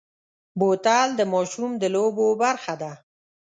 بوتل د ماشوم د لوبو برخه ده.